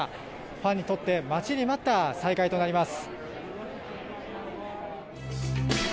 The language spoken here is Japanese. ファンにとって待ちに待った再開となります。